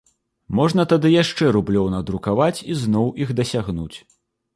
Можна тады яшчэ рублёў надрукаваць і зноў іх дасягнуць.